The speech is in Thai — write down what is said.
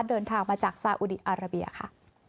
เดินทางมาจากซาอุดีอาราเบียค่ะ